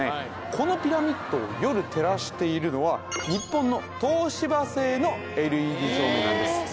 このピラミッドを夜照らしているのは日本の東芝製のＬＥＤ照明なんですへえ